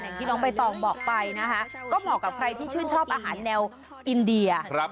ที่น้องใบตองบอกไปนะคะก็เหมาะกับใครที่ชื่นชอบอาหารแนวอินเดีย